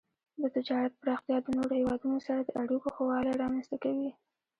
د تجارت پراختیا د نورو هیوادونو سره د اړیکو ښه والی رامنځته کوي.